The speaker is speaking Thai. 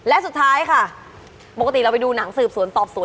และสุดท้ายค่ะปกติเราไปดูหนังสืบสวนสอบสวน